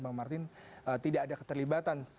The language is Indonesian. bang martin tidak ada keterlibatan